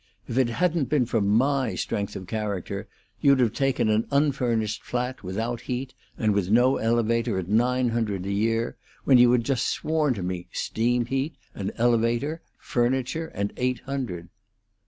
"If it hadn't been for my strength of character, you'd have taken an unfurnished flat without heat and with no elevator, at nine hundred a year, when you had just sworn me to steam heat, an elevator, furniture, and eight hundred."